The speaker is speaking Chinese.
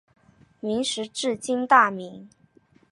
明时治今大名。